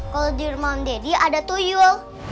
kalo di rumah deddy ada tuyul